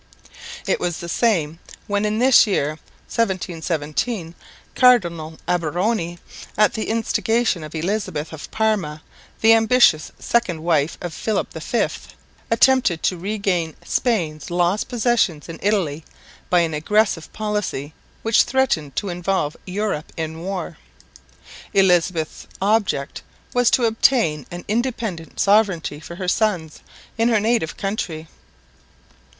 It was the same when in this year 1717 Cardinal Alberoni, at the instigation of Elizabeth of Parma the ambitious second wife of Philip V, attempted to regain Spain's lost possessions in Italy by an aggressive policy which threatened to involve Europe in war. Elizabeth's object was to obtain an independent sovereignty for her sons in her native country.